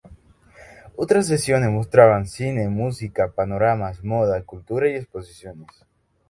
Otras secciones mostraban Cine, Música, Panoramas, Moda, Cultura, y Exposiciones.